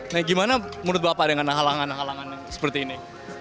nah gimana menurut bapak dengan halangan halangan seperti ini